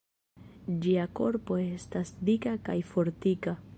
Ĝia korpo estas dika kaj fortika.